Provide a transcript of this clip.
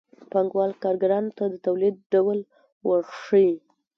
پانګوال کارګرانو ته د تولید ډول ورښيي